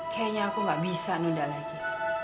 kayaknya aku gak bisa nunda lagi